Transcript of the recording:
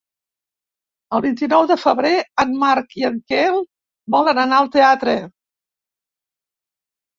El vint-i-nou de febrer en Marc i en Quel volen anar al teatre.